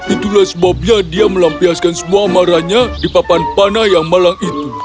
itulah sebabnya dia melampiaskan semua marahnya di papan panah yang malang itu